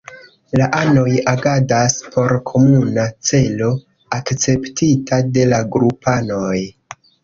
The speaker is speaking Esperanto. La anoj agadas por komuna celo, akceptita de la grupanoj.